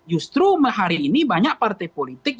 justru hari ini banyak partai politik